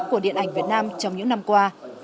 của điện ảnh việt nam trong những năm qua